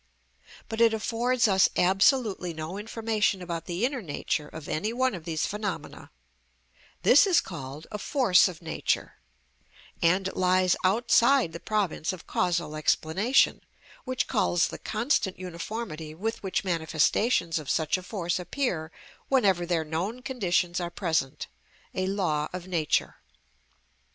But it affords us absolutely no information about the inner nature of any one of these phenomena: this is called a force of nature, and it lies outside the province of causal explanation, which calls the constant uniformity with which manifestations of such a force appear whenever their known conditions are present, a law of nature.